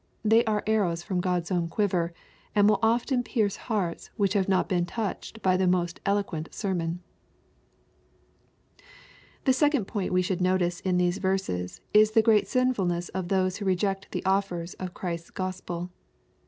They are arrows from Q od's own quiver, and will often pierce hearts which have not been touched by the most eloquent sermon. The second point we should notice in these verses is the great sinfulness of those who r^ect the offers of Chrisfs Gospel.